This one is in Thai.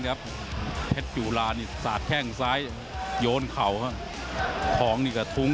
ครับพล็คจุฬานี่สาดแข้งสายโยนขาวและทองนี่กระทุง